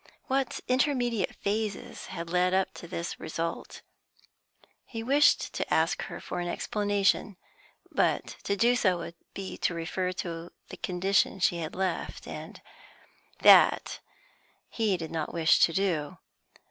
What intermediate phases had led up to this result? He wished to ask her for an explanation, but to do so would be to refer to the condition she had left, and that he did not wish to do.